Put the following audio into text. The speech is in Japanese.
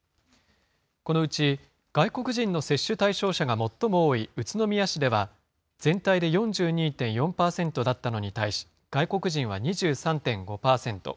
このうち外国人の接種対象者が最も多い宇都宮市では、全体で４２．４％だったのに対し、外国人は２３．５％。